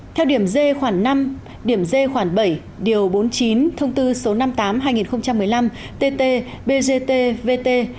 theo điểm d khoảng năm điểm d khoảng bảy điều bốn mươi chín thông tư số năm mươi tám hai nghìn một mươi năm tt bgtvt